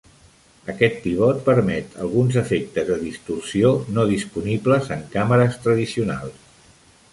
Aquest pivot permet alguns efectes de distorsió no disponibles en càmeres tradicionals.